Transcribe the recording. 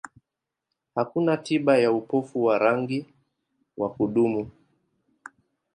Hakuna tiba ya upofu wa rangi wa kudumu.